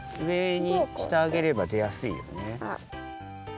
上にしてあげればでやすいよね。